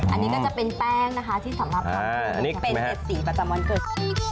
อันนี้ก็จะเป็นแป้งนะคะที่สำหรับทำเป็น๗สีประจำวันเกิดคิด